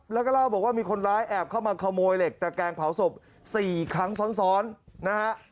แล้วก็เล่าบอกว่ามีคนร้ายแอบเข้ามาขโมยเหล็กตะแกงเผาศพ๔ครั้งซ้อนนะฮะ